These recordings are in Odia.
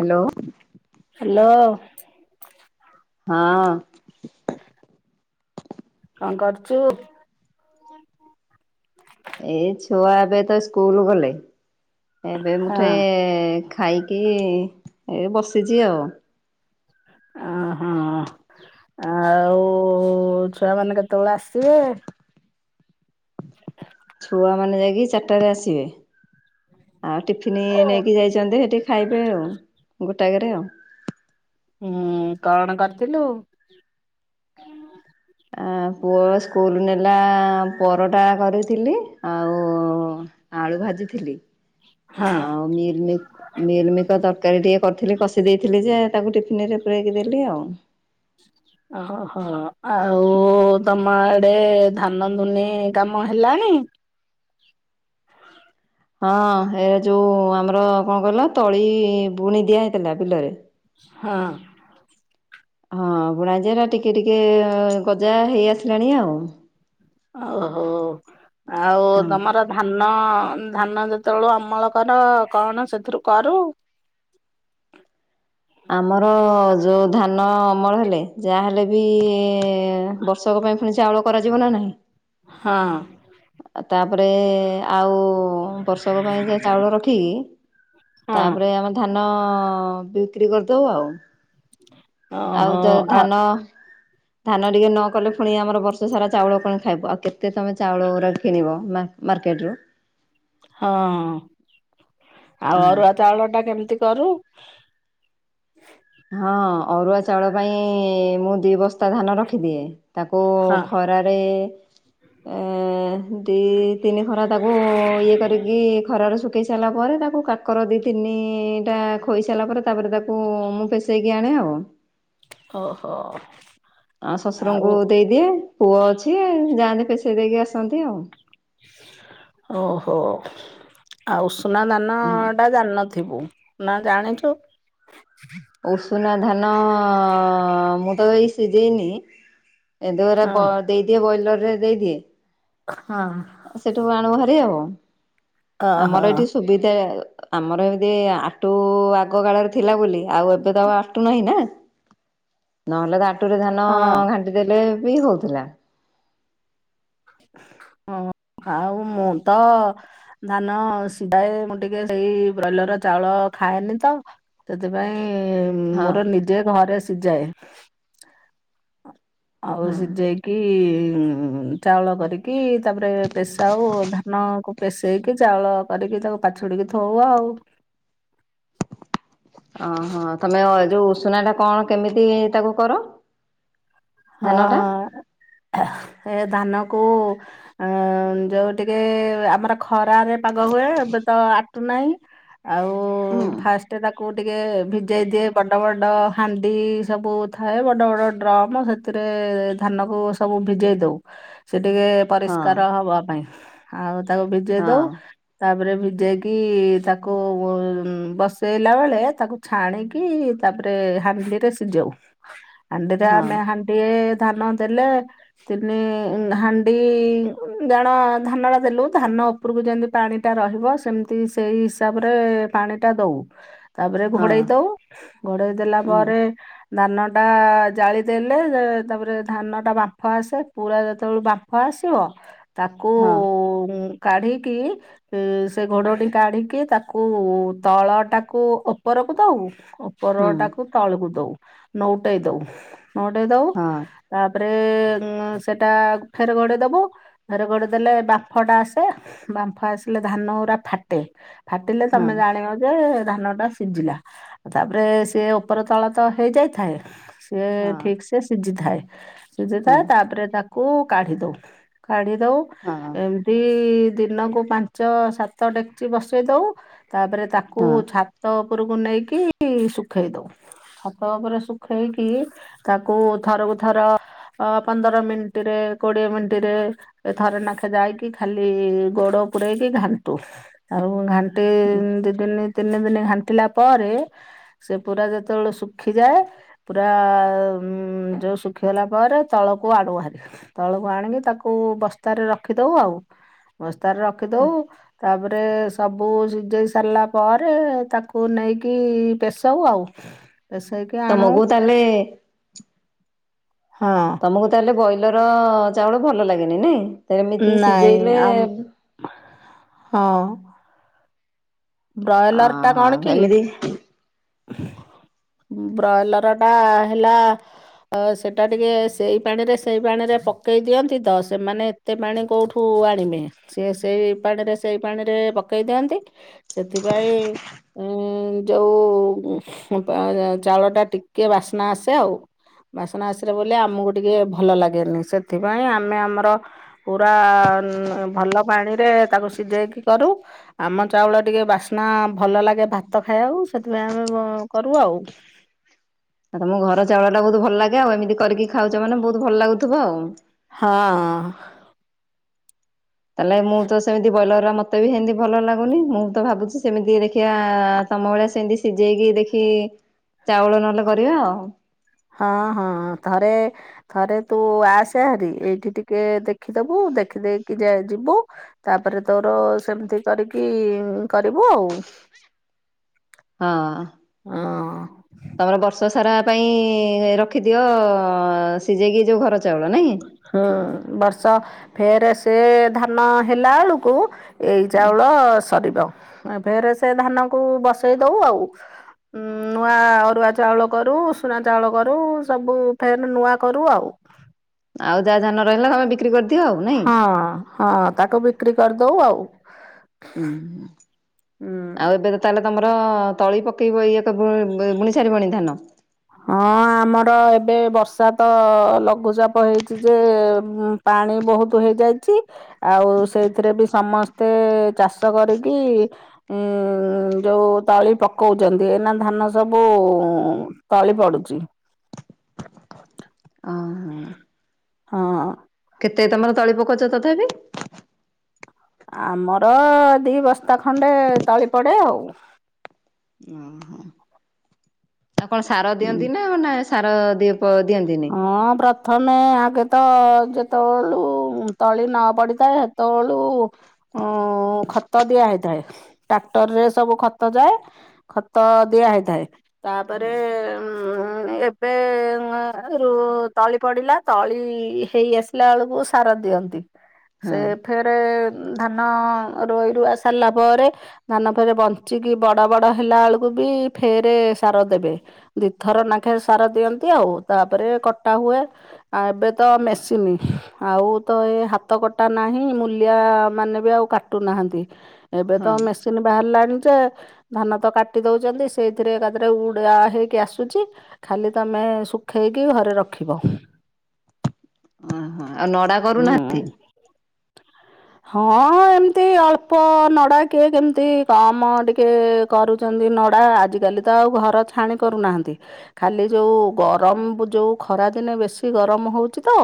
ହାଲୋ। ହାଲୋ। ହଁ। କଣ କରୁଚୁ? ଏଇ ଛୁଆ ଏବେ ତ ସ୍କୁଲ ଗଲେ ଏବେ ହଁ ମୁଠେ ଖାଇକି ଏ ବସିଛି ଆଉ। ଅ ହଁ ଆଉ ଛୁଆ ମାନେ କେତେ ତେବେଳେ ଆସିବେ? ଛୁଆ ମାନେ ଯାଇକି ଚାରିଟାରେ ଆସିବେ। ଆଉ ଟିଫିନ ନେଇକି ଯାଇଛନ୍ତି ହେଠି ଖାଇବେ ଆଉ। ଗୋଟା କେରେ ଆଉ। ହୁଁ କଣ କରିଥିଲୁ? ଆ ପୁଅ ସ୍କୁଲ୍ ନେଲା ପରଟା କରିଥିଲି ଆଉ ଆଳୁ ଭାଜିଥିଲି। ହଁ ଆଉ ମିଲମି-ମିଲିମିକର ତ ତରକାରୀ ଟିକେ କରିଥିଲି କଷି ଦେଇଥିଲି ଯେ ତାକୁ ଟିଫିନରେ ପୁରେଇକି ଦେଲି ଆଉ। ଓହୋ ଆଉ ତମ ଆଡେ ଧାନ ଦୁନି କାମ ହେଲାଣି? ଣି? ହଁ ଏ ଯୋଉ ଆମର କଣ କହିଲ ତଳି ବୁଣି ଦିଆ ହେଇଥିଲା ବିଲରେ ହଁ। ହଁ ବୁଣା ଯାଏ ଟିକେ ଟିକେ ଗଜା ହେଇ ଆସିଲାଣି ଆଉ। ଓହୋ ଆଉ ହଁ। ତମର ଧାନ ନ ଧାନ ଯେତେବେଳୁ ଅମଳ କର କଣ ସେଥିରୁ କରୁ? [inaudible] ଆମର ଯୋଉ ଧାନ ଅମଳ ହେଲେ ଯାହାହେଲେ ବି ବର୍ଷକ ପାଇଁ ପୁଣି ଚାଉଳ କରାଯିବ ନା ନାହିଁ। ହଁ। ତାପରେ ଆଉ ଓ ବର୍ଷକ ପାଇଁ ଯାହା ଚାଉଳ ରଖିକି। ହଁ ତାପରେ ଆମେ ଧାନ ବି ବିକ୍ରି କରିଦବ ଆଉ। ଓହୋ ଆଉ ଯଦି ଆ ଧାନ ଧାନ ଟିକେ ନ କଲେ ପୁଣି ଆମର ବର୍ଷ ସାରା ଚାଉଳ କଣ ଖାଇବ ଆଉ କେତେ ତମେ ଚାଉଳ ଅରା କିଣିବ? ମାର୍କେଟରୁ। ହଁ ଆଉ ହଁ। ଅରୁଆ ଚାଉଳ ଟା କେମିତି? କରୁ? ହଁ ଅରୁଆ ଚାଉଳ ପାଇଁ ମୁଁ ଦି ବସ୍ତା ଧାନ ରଖିଦିଏ। ତାକୁ ହଁ ଖରାରେ ଦି ତିନି ଖରା ତାକୁ ଇଏ କରିକି ଖରାରେ ପକେଇ ସାରିଲା ପରେ ତାକୁ କାକର ଦି ତିନିଟା ଖୋଇସାରିଲା ପରେ ତାପ ତାକୁ [unintelligible] ଆଉ। ଓହୋ। ଆଉ ଶଶୁରଙ୍କୁ ଦେଇଦିଏ ପୁଅ ଅଛି ଯାଆନ୍ତି ପେଶେଇ ଦେଇକି ଆସନ୍ତି ଆଉ। ଓହୋ ଆଉ ଉସୁନା ଧାନ ଆଉ। ଟା ଜାଣିନଥିବୁ। ନା ଜାଣିଛୁ। ଉଷୁନା ଧାନ ମୁଁ ତ ଏଇ ସିଝେଇନି। ହଁ। ଏକାଥରେ ଦେଇଦିଏ ବଇଲର ରେ ଦେଇଦିଏ। ହଁ। ସେଠୁ ଆଣୁ ହାରି ଆଉ ଓହୋ ଆମର ଏଇଠି ସୁବିଧା। ଆମର ଏମିତି ଆଟୁ ଆଗ କାଳରେ ଥିଲା ବୋଲି ଆଉ ଏବେ ତ ଆଉ ଆଟୁ ନାହିଁ ନା। ନହେଲେ ତାଟୁରେ ଧାନ ହଁ ଘାଣ୍ଟି ଦେଲେ ବି ହଉଥିଲା। ହଁ। ଆଉ ମୁଁ ତ ଧାନ ସିଝାଏ ମୁଁ ଟିକେ ସେଇ ବଇଲର ଚାଉଳ ଖାଏନି ତ ସେଥିପାଇଁ ହଁ ମୋର ନିଜେ ଘରେ ସିଝାଏ। ଆଉ ହଁ ସେ ଯାଇକି ଚାଉଳ କରିକି ତାପରେ ପେଶାଉ ଧାନକୁ ପେଷେଇକି ଚାଉଳ କରିକି ତାକୁ ପାଛୁଡିକି ଥଉ ଆଉ। ଓହୋ ତମେ ଯୋଉ ଉଷୁନା ଟା କଣ କେମିତି ତାକୁ କର? ଧାନଟା ହଁ ଏ ଧାନ କୁ ଯୋଉ ଟିକେ ଆମର ଖରାରେ ପାଗ ହୁଏ ଏବେ ତ ନାଇଁ ଆଉ ହୁଁ ଫାଷ୍ଟ ତାକୁ କୁ ଟିକେ ଭିଜେଇ ଦିଏ ବଡ ବଡ ହାଣ୍ଡି ସବୁ ଥାଏ ବଡ ବଡ ଡ୍ରମ୍। ସେଥିରେ ଧାନ କ ସବୁ ଭିଜେଇ ଦଉ ସେ ଟିକେ ହଁ ପରିଷ୍କାର ହବା ପାଇଁ। ଆଉ ତାକୁ ଭିଜେଇ ହଁ ଦଉ ତାପରେ ସିଝେଇକି ତାକୁ ବ ଉଁ ବସେଇଲା ବେଳେ ତାକୁ ଛାଣିକି ତାପରେ। ହାଣ୍ଡିରେ ସିଝଉ ହାଣ୍ଡିରେ ହଁ ଆମେ ହା ଏ ଧାନ ଦେଲେ ତିନି ଉଁ ହାଣ୍ଡି ଉଁ ଜଣ ଧାନ ଟା ଦେଲୁ ଧାନ ଉପରକୁ ଯେମିତି ପାଣି ଟା ରହିବ ସେମିତି ସେଇ ହିସାବରେ ପାଣି ଟା ଦଉ। ତାପରେ ହଁ ଘୋଡ଼େଇ ଦଉ ଘୋଡେଇ ଦେଲା ହୁଁ ପରେ ଧାନ ଟା ଜାଳି ଦେ ଲେ ଏ ତାପରେ ଧାନ ଟା ବାମ୍ପ ଆସେ ପୁରା ଯେତେବେଳେ ବାମ୍ଫ ଆସିବ। ତାକୁ ହଁ ଉଁ। କାଢିକି ଏ ସେ ଘୋଡଟି କାଢିକି ତାକୁ ତଳ ଟାକୁ ଓପର କଥା ହବୁ। ଉପର ହୁଁ ଟାକୁ ତଳକୁ ଦଉ ନଉଟେଇ ଦଉ ନଉଟେଇ ଦଉ ହଁ ତାପ ଏ ହଁ ସେଟା ଫେରେ ଗଡେଇଦେବୁ ଫେରେ ଗଡେଇ ଦେଲେ ବାମ୍ଫଟା ଆସେ ବାମ୍ପ ଆସିଲେ ଧା ଧାନ ଗୁଡା ଫାଟେ ଫାଟିଲେ ହଁ ତମେ ଜାଣିବ ଯେ। ଧାନ ଟା ସିଝିଲା ତାପରେ ସିଏ ଉପର ତଳ ତ ହେଇଯାଇଥାଏ ସିଏ ହଁ ସିଝି ଥାଏ ହୁଁ ସିଝିଥାଏ ତାପରେ ତାକୁ କାଢି ଦଉ କାଢି ଦଉ ହଁ ଏମିତି ଦିନକୁ ପାଞ୍ଚ ସାତ ଡେକଚି ବସେଇ ଦଉ। ତାପରେ ତାକୁ ହଁ ଛାତ ଉପରକୁ ନେଇକି ଶୁଖେଇ ଦଉ ଛାତ ଉପରେ ଶୁଖେଇକି। ତାକୁ ଥରକୁ ଥର। ଅ ପନ୍ଦର ମିଣ୍ଟିରେ କୋଡିଏ ମିଣ୍ଟିରେ ଏ ଥରେ ନେଖା ଯାଇକି ଖାଲି ଘୋଡ କୁଡେଇକି ଘାଣ୍ଟୁ ଆଉ ଘାଣ୍ଟି ହୁଁ ଦି ଦିନି ତିନି ଦିନି ଘାଣ୍ଟିଲା ପରେ ସେ ପୁରା ଯେତେବେଳେ ଶୁଖିଯାଏ ପୁରା। ଉଁ। ଯଉ ଶୁଖିଗଲା ପରେ ତଳକୁ ଆଣୁ ହେରି ତଳକୁ ଆଣିକି ତାକୁ ବସ୍ତାରେ ରଖିଦଉ ଆଉ। ବସ୍ତାରେ ରଖିଦଉ ତାପ ରେ ସବୁ ସିଝେଇ ସାରିଲା ପରେ ତାକୁ ନେଇକି ପେଷାଉ ଆଉ। ପେସେଇକି ଆଣୁ। ତମକୁ ତାହେଲେ ହଁ ତମକୁ ତାହେଲେ ବଏଲର ଚାଉଳ ଭଲ ଲାଗେନି ନାଇ? ତ ଏମିତି ନାଇଁ ସିଝେଇଲେ ଆମ ଉଁ। ହଁ ବ୍ରଏଲର ଟା ଅହୋ କଣ କି? ଏମିତି ବ୍ରଏଲର ଟା ହେଲା। ଅ ସେଟା ଟିକେ ସେଇ ପାଣିରେ ସେଇ ପାଣିରେ ପକେଇ ଦିଅନ୍ତି ତ ସେମାନେ ଏତେ ପାଣି କୋଉଠୁ? କୁ ଆଣିବେ ସେ ସେଇ ପାଣିରେ ସେଇ ପାଣିରେ ପକେଇ ଦିଅନ୍ତି। ସେଥିପାଇଁ ଉଁ ଉଁ ଯୋଉ ଉଁ ବା ଜା ଚାଉଳଟା ଟିକେ ବାସ୍ନା ଆସେ ଆଉ। ବାସନା ଆସିଲେ ବୋଲି ଆମକୁ ଟିକେ ଭଲ ଲାଗେନି ସେଥିପାଇଁ ଆମେ ଆମର ପୁରା। ଉଁ ଭଲ ପାଣିରେ ତାକୁ ସିଝେଇକି କରୁ ଆମ ଚାଉଳ ଟିକେ ବାସ୍ନା ଭଲ ଲାଗେ ଭାତ ଖାଇବାକୁ ସେଥିପାଇଁ ଆମେ ବ କରୁ ଆଉ। ଆଉ ତମ ଘର ଚାଉଳ ଟା ବହୁତ ଭଲ ଲାଗେ ଆଉ ଏମିତି କରିକି ଖାଉଛ ମାନେ ବହୁତ ଭଲ ଲାଗୁଥିବ ଆଉ। ହଁ। ତାହେଲେ ମୁଁ ତ ସେମିତି ବଏଲର ମତେ ବି ସେମିତି ଭଲ ଲାଗୁନି ମୁଁ ତ ଭାବୁଛି ସେମିତି ଦେଖି ଦେଖିଆ ତମ ଭଳିଆ ସେମିତି ସିଝେଇକି ଦେଖି ଚାଉଳ ନହେଲେ କରିବା ଆଉ। ହଁ ହଁ ଥରେ ଥରେ ତୁ ଆସେ ହେରି ଏଇଠି ଟିକେ ଦେଖିଦବୁ। ଦେଖିଦେଇକି ଯା ଯିବୁ ତାପରେ ତୋର ସେମିତି କରିକି କରିବୁ ଆଉ। ହଁ ହଁ। ତମର ବର୍ଷ ସାରା। ପାଇଁ ରଖିଦିଅ ସିଝେଇକି ଯୋଉ ଘର ଚାଉଳ ନାଇଁ? ହଁ ବର୍ଷ ଫେରେ ସେ ଧାନ ହେଲା ବେଳୁକୁ। ଏଇ ହୁଁ ଚାଉଳ ସରିବ ଏ ଫେରେ ସେ ଧାନକୁ ବସେଇ ଦଉ ଆଉ। ଉଁ ନୂଆ ଅରୁଆ ଚାଉଳ କରୁ ଉଷୁନା ଚାଉଳ କରୁ ସବୁ ଫେର ନୂଆ କରୁ ଆଉ। ଆଉ ଯାହା ଧାନ ରହିଲା ସବୁ ଡିକ୍ରି କରିଦେ ହଁ ହଁ ତାକୁ ବିକ୍ରି କରିଦୋଉ ଆଉ। ହୁଁ ହୁଁ। ଆଉ ଏବେ ତାହେଲେ ତମର ତଳି ପକେଇବ ଇଏ ଏକ ବୁଣି ସାରିବଣି ଧାନ? ହଁ ଆମର ଏବେ ବର୍ଷା ତ ଲଘୁଚାପ ହେଇଛି ଯେ ପା ପାଣି ବୋହୁତ ବୋହୁତ ଆଉଚି ଆଉ ସେଇଥିରେ ଵି ସମସ୍ତେ ଚାଷ କରିକି ଉଁ ଯୋଉ ତଳି ପକଉଛନ୍ତି ଏଇନା ଧାନ ସବୁ ଉଁ ମ୍ ତାଳି ପଡୁଛି। ଅହ। ହଁ। କେତେ ତମର ତଳି ପକୋଉଛ ତଥାପି? ଆମର ଦି ବସ୍ତା ଖଣ୍ଡେ ତଳି ପଡ଼େ ଆଉ। ଉଁ ହୁଁ। କଣ ସାର ହୁଁ। ଦିଅନ୍ତି ନା ନା ସାର ଦିଅନ୍ତି ନି? ହଁ ପ୍ରଥମେ ଆଗେ ତ ଯେତେବେଳୁ ତଳି ନ ପଡିଥାଏ ସେତେବେଳୁ ଉଁ ଖତ ଦିଆ ହେଇ ଥାଏ। ଟ୍ରାକ୍ଟର ରେ ସବୁ ଖତ ଯାଏ ଖତ ଦିଆ ହେଇଥାଏ। ତାପରେ ଉଁ ଉଁ ଏବେ ଅର ଗୁରୁ ତଳି ପଡିଲା ତଳି ହେଇ ଆସିଲା ବେଳକୁ ସାର ଦିଅନ୍ତି। ସେ ହଁ ଫେରେ ଧାନ ରୋଇ ରୁଆ ସାରିଲା ପରେ ଧାନ ପରେ ବଞ୍ଚିକି ବଡ଼ ବଡ଼ ହେଲା ବେଳକୁ ବି ଫେରେ ସାର ଦେବେ ଦି ଥର ନାଖେ ସାର ଦିଅନ୍ତି ଆଉ। ତାପରେ କଟା ହୁଏ ଆଉ ଏବେ ତ ମେସିନ୍ ଆଉ ତ ଏ ହାତ କଟା ନା ହୁଁ ମୁଲିଆମାନେ ବି ଆଉ କାଟୁନାଁହାନ୍ତି ଏବେ ତ ହଁ ମେସିନ୍ ବାହାରିଲାଣି। ଯେ ଧାନ ତ କାଟି ଦୋଉଛନ୍ତି ସେଇଥିରେ ତାପରେ ଉଡ଼ା ହେଇକି ଆସୁଚି ଖାଲି ତମେ ସୁ ଖେଇକି ଘରେ ରଖିବ। ଓହୋ ଆଉ ନଡା ହୁଁ। କରୁନାହାନ୍ତି? [inaudible] ହଁ ଏମତି ଅଳ୍ପ ନଡା କିଏ କେମତି କାମ ଟିକେ କରୁଛନ୍ତି। ନଡା ଆଜି କାଲି ତ ଆଉ ଘର ଛାଣି କରୁନାହାନ୍ତି ଖାଲି ଯୋଉ ଗ ଗରମ ଯେଉଁ ଖରାଦିନେ ବେଶୀ ଗରମ ହୋଉଛି ତ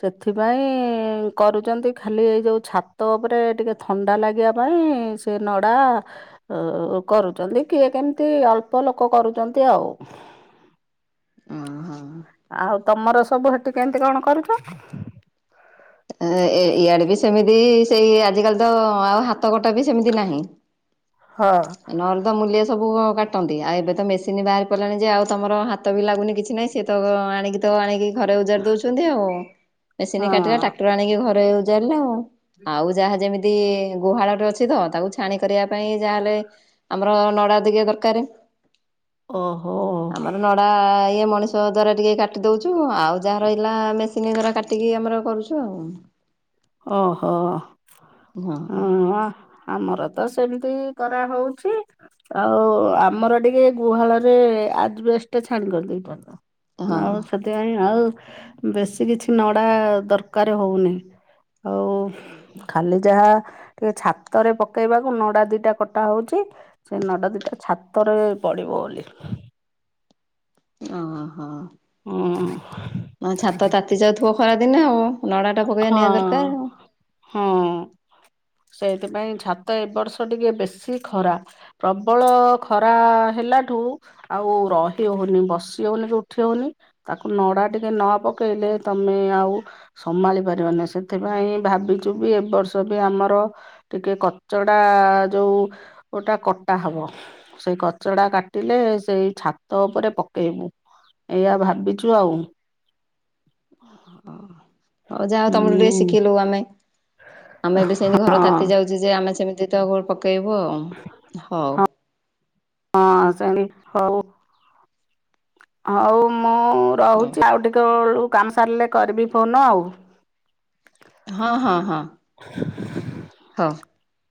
ସେଥିପାଇଁ କରୁଛନ୍ତି। ଖାଲି ଏ ଯେଉଁ ଛାତ ଉପରେ ଟିକେ ଥଣ୍ଡା ଲାଗିବା ପାଇଁ ସେ ନଡ଼ା କରୁଛନ୍ତି କିଏ କେମିତି ଅଳ୍ପ ଲୋକ କରୁଛନ୍ତି ଆଉ। ଓହୋ ଆଉ ତମର ସବୁ ହେଟି କେମିତି କଣ କରୁଛ? ଇଆଡେ ବି ସେମିତି ସେଇ ଆଜିିକାଲି ତ ଆଉ ହାତ କଟା ବି ସେମିତି ନାହିଁ। ହଁ। ନହେଲେ ତ ମୂଲେ ସବୁ କାଟନ୍ତି ଆଉ ଏବେ ତ ମେସିନ୍ ବାହାରି ପଡ଼ିଲାଣି ଯେ ଆଉ ତମର ହାତ ବି ଲାଗୁନି କିଛି ନାହିଁ ସିଏ ତ ଏଣିକି ତ ଏଣିକି ଘରେ ଓଜାଡି ଦୋଉଛନ୍ତି ଆଉ ମେସିନ୍ ହଁ କାଟିଲା ଟା ଆଣି ଘରେ ଓଜାଡ଼ି ଲେ ଆଉ ଆଉ ଯାହା ଯେମିତି ଗୁହାଳ ଅଛି ତ ତାକୁ ଛାଣି କରିବା ପାଇଁ ଯାହାହେଲେ ଆମର ନଡା ଦିଟା ଦରକାର। ଓହୋ ଆମର ନଡା ଇଏ ମ ମଣିଷ ଦ୍ୱାର ଟିକେ କାଟି ଦୋଉଛୁ ଆଉ ଯାହା ରହିଲା ମେସିନ ଦ୍ଵାରା କାଟିକି ଆମର କରୁ ହୁଁ। ଓହୋ ହଁ। ଆମର ତ ସେମିତି କରାହୋଉଛି। ଆଉ ଆମର ଟିକେ ଗୁହାଳରେ ଆଜବେଷ୍ଟେ ଟା ଛାଣି କରିଦେଇ ଦୋଉଛନ ହଁ ଆଉ ସେଥି ପାଇଁ ଆଉ ବେଶୀ କିଛି ନଡା ଦରକାର ହୋଉନି। ଆଉ ଖାଲି ଯାହା ଟିକେ ଛାତରେ ପକେଇବାକୁ ନଡା ଦିଟା କଟା ହଉଚି ସେ ନଡା ଦିଟା ଛାତରେ ପ ବୋଲି କି। ଅ ହଁ ହଁ ହ। ହୁଁ ହ ଛାତ ତାତି ଯାଉଥିବ ଖରାଦିନେ ଆଉ। ନଡ଼ା ଟା ପକେଇବା ହଁ ନିହାତି ଦରକାର ଆଉ ହଁ। ସେଇଥିପାଇଁ ଛାତ ଏ ବର୍ଷ ଟିକେ ବେଶୀ ଖରା ପ୍ରବଳ ଖରା ହେଲା ଲା ଠୁ ଆଉ ରହି ହଉନି ବସି ହଉନି କି ଉଠି ହଉନି ତାକୁ ନଡା ଟିକେ ନ ପକେଇଲେ ଲେ ତମେ ଆଉ ସମାଳି ପାରିବନି ସେଥିପାଇଁ ଭାବିଚୁ ବି ଏ ବର୍ଷ ବି ଆମର ଟିକେ କଚଡ଼ା ଆଁ ଯୋଉ ଗୋଟା କଟା ହବ ସେଇ କଚଡ଼ା କାଟିଲେ ସେଇ ଛାତ ଉପରେ ପକେଇବୁ ଏଇଆ ଭାବିଚି ଆଉ। [unintelligible] ହଉ ଯାହା ହଉ ତମଠୁ ଟିକେ ହୁଁ ଶିଖିଲୁ ଆମେ ଆମେ ବି ସେମିତି ହଁ ଘର ତାତି ଯାଉଚି ଯେ ଆମେ ଏମତି ତା ଉପରେ ପକେଇବୁ ଆଉ ହଉ। ହଁ ସେମିତି ହଉ। ହଉ ମୁଁ ହଉ ରହୁଚି ଆଉ ଟିକେ ବଳୁ କାମ ସାରିଲେ କରିବି ଫୋନ ଆଉ। ହଁ ହଁ ହଁ। [inaudible] [inaudible]